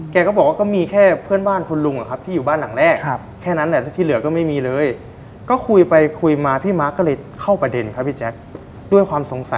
แกก็บอกว่าก็มีแค่เพื่อนบ้านคุณลุงอะครับที่อยู่บ้านหลังแรก